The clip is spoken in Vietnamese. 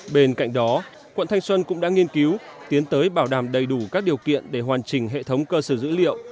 bên cạnh đó quận thanh xuân cũng đã nghiên cứu tiến tới bảo đảm đầy đủ các điều kiện để hoàn chỉnh hệ thống cơ sở dữ liệu